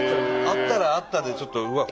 会ったら会ったでちょっとうわっ